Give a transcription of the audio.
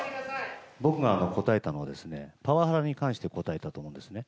僕が答えたのは、パワハラに関して答えたと思うんですね。